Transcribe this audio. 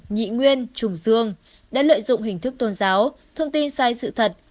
nhị nguyên trùng dương đã lợi dụng hình thức tôn giáo thông tin sai sự thật